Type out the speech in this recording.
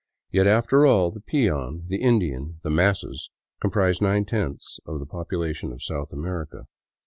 Yet after all, the peon, the Indian, the masses, comprise nine tenths of the population of South America.